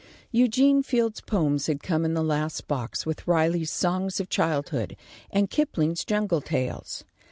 Eugene Field's poems had come in the last box, with Riley's "Songs of Childhood" and Kipling's jungle tales.